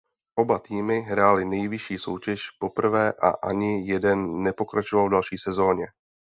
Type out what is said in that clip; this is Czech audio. Oba týmy hrály nejvyšší soutěž poprvé a ani jeden nepokračoval v další sezóně.